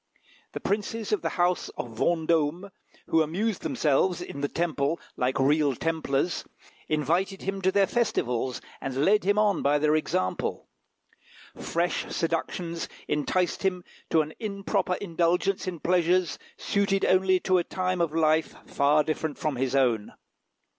The princes of the house of Vendôme, who amused themselves in the Temple like real Templars, invited him to their festivals, and led him on by their example. Fresh seductions enticed him to an improper indulgence in pleasures suited only to a time of life far different from his own.